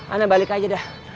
anda balik aja dah